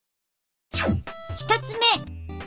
１つ目！